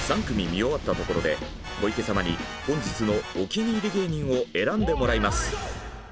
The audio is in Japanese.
３組見終わったところで小池様に本日のお気に入り芸人を選んでもらいます。